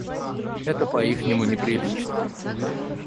Это по ихнему неприлично.